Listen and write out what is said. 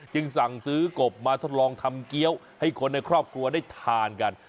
สั่งซื้อกบมาทดลองทำเกี้ยวให้คนในครอบครัวได้ทานกัน